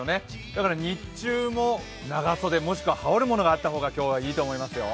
だから日中も長袖もしくは羽織るものがあった方が今日はいいと思いますよ。